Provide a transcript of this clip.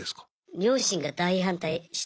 両親が大反対して。